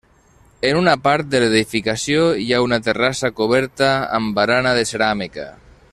En una part de l'edificació hi ha una terrassa coberta amb barana de ceràmica.